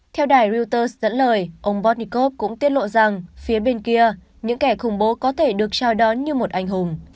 theo đài reuters dẫn lời ông bortnikov cũng tiết lộ rằng phía bên kia những kẻ khủng bố có thể được chào đón như một anh hùng